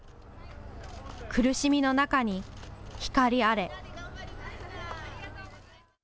苦しみの中に光あれ。